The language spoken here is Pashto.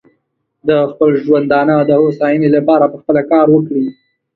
د خپل ژوندانه د هوساینې لپاره پخپله کار وکړي.